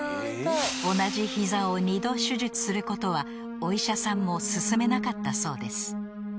［同じ膝を二度手術することはお医者さんも勧めなかったそうです］